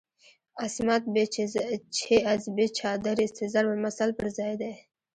"عصمت بی چه از بی چادریست" ضرب المثل پر ځای دی.